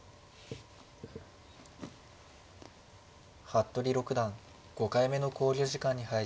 服部六段５回目の考慮時間に入りました。